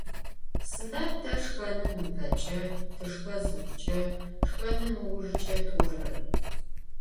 Sıda te şşxenım ıpeç'e, tışşxe zıxhuç'e, şşxenım ıujjç'e t'orer?